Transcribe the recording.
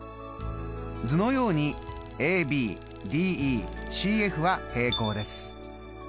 図のようにＡＢＤＥＣＦは平行です。